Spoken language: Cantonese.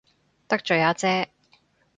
得罪阿姐